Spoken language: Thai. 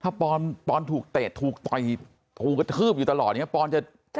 ถ้าปอนด์ปอนด์ถูกเตะถูกต่อยถูกคืบอยู่ตลอดอย่างนี้ปอนด์จะ